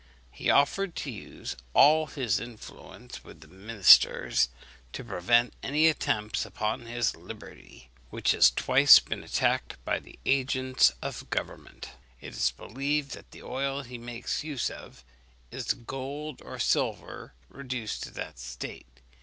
He offered to use all his influence with the ministers to prevent any attempts upon his liberty, which has twice been attacked by the agents of government. It is believed that the oil he makes use of, is gold or silver reduced to that state.